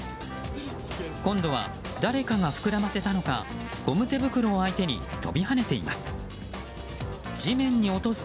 今度は、誰かが膨らませたのかゴム手袋を相手に飛び跳ねています。